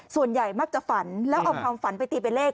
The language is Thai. ส่วนใหญ่มักจะฝันแล้วเอาความฝันไปตีเป็นเลข